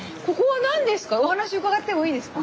お話伺ってもいいですか？